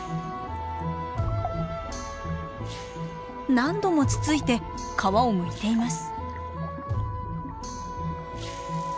何度もつついて皮をむいています。